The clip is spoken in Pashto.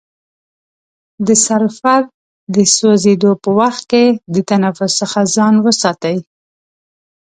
د سلفر د سوځیدو په وخت کې د تنفس څخه ځان وساتئ.